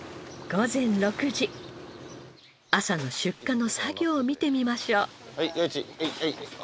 朝の出荷の作業を見てみましょう。